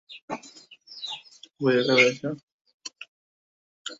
দস্যু মোহন নামক উদার ও দু; সাহসিক চরিত্রের বহু রোমাঞ্চকর উপন্যাস বই আকারে বের হয়েছে।